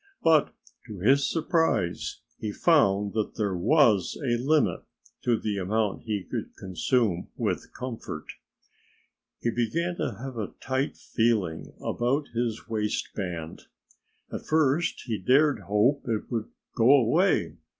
But to his surprise he found that there was a limit to the amount he could consume with comfort. He began to have a tight feeling about his waistband. At first he dared hope it would go away.